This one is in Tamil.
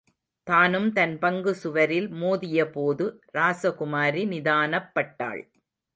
தானும் தன் பங்கு சுவரில் மோதியபோது ராசகுமாரி நிதானப்பட்டாள்.